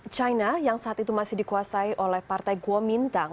cina yang saat itu masih dikuasai oleh partai kuomintang